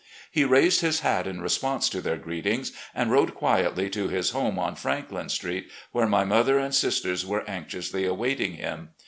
He raised his hat in response to their greetings, and rode quietly to his home on Franklin Street, where my mother and sisters were anxiously awaiting him.